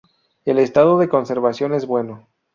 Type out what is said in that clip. El estado de conservación es bueno.